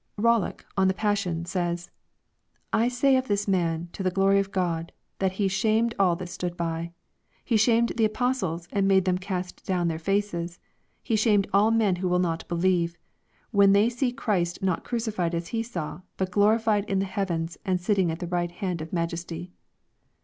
Rollock, on the Passion, says, " I say of this man, to the gloiy of God, that he shamed all that stood by. He shamed the Apos tles and made them cast down their faces. He shamed all men who will not believe, when they see Christ not crucified as he saw, but glorified in the heavens, and sitting at the right hand of Maj esty."